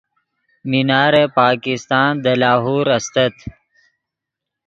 مینار پاکستان دے لاہور استت